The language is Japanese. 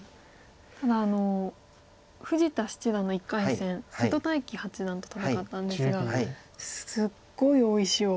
ただ富士田七段の１回戦瀬戸大樹八段と戦ったんですがすごい大石を。